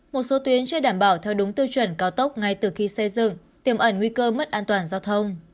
một số tuyến chưa đảm bảo theo đúng tiêu chuẩn cao tốc ngay từ khi xây dựng tiềm ẩn nguy cơ mất an toàn giao thông